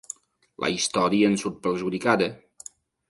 La història en surt perjudicada.